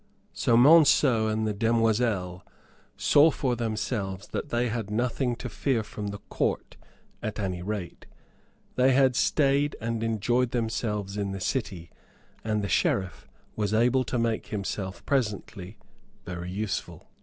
So Monceux and the demoiselle saw for themselves that they had nothing to fear from the Court, at any rate. They had stayed and enjoyed themselves in the city, and the Sheriff was able to make himself presently very useful.